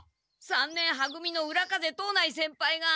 三年は組の浦風藤内先輩が。